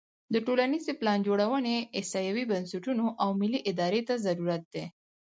د ټولنیزې پلانجوړونې احصایوي بنسټونو او ملي ارادې ته ضرورت دی.